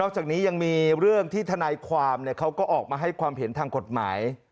จากนี้ยังมีเรื่องที่ทนายความเขาก็ออกมาให้ความเห็นทางกฎหมาย